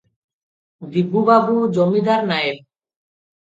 ଦିବୁ ବାବୁ ଜମିଦାର ନାଏବ ।